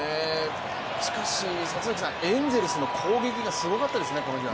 しかし、エンゼルスの攻撃がすごかったですね、この日は。